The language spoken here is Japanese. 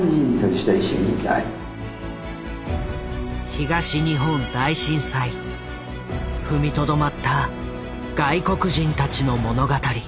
東日本大震災踏みとどまった外国人たちの物語。